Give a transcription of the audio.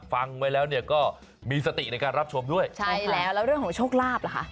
ฟังไว้แล้วเนี่ยก็มีสติในการรับชมด้วยใช่แล้วแล้วเรื่องของโชคลาภล่ะคะ